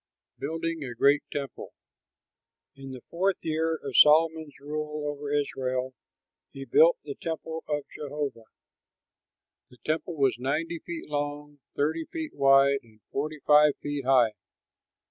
BUILDING A GREAT TEMPLE In the fourth year of Solomon's rule over Israel he built the temple of Jehovah. The temple was ninety feet long, thirty feet wide, and forty five feet high.